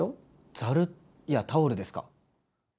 ざる？やタオルですか？